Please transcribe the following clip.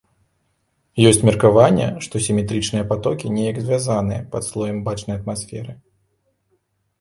Ёсць меркаванне, што сіметрычныя патокі неяк звязаныя пад слоем бачнай атмасферы.